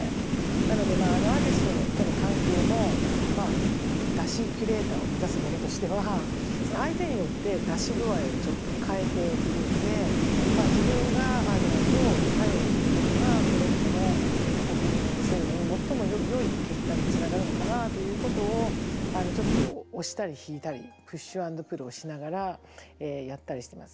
なのでアーティストとの関係も出汁キュレーターを目指す者としては相手によって出汁具合をちょっと変えているので自分がどう作用することがこの人の作品を見せるのに最もよい結果につながるのかなということをちょっと押したり引いたりプッシュアンドプルをしながらやったりしてます。